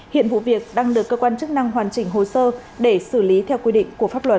hiện vụ việc đang được cơ quan chức năng hoàn chỉnh hồ sơ để xử lý theo quy định của pháp luật